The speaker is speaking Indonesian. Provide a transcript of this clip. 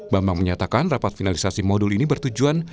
bambang menyatakan rapat finalisasi modul ini bertujuan